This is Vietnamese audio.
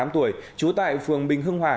hai mươi tám tuổi trú tại phường bình hưng hòa